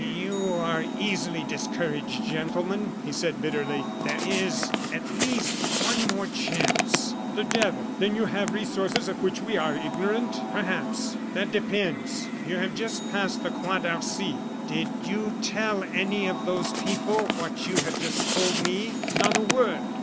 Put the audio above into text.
"You are easily discouraged, gentlemen," he said, bitterly. "There is, at least, one more chance." "The devil! Then you have resources of which we are ignorant?" "Perhaps that depends. You have just passed the Croix d'Arcy; did you tell any of those people what you have just told me?" "Not a word."